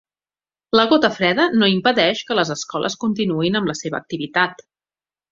La gota freda no impedeix que les escoles continuïn amb la seva activitat